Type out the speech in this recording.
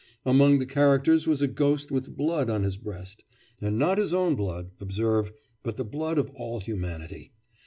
Among the characters was a ghost with blood on his breast, and not his own blood, observe, but the blood of all humanity....